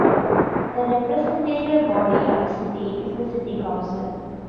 The representative body of the city is the city council.